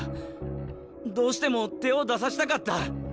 どうしても手を出させたかった。